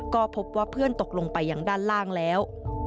ก็พบว่าเพื่อนตกลงไปอย่างด้านล่างแล้ว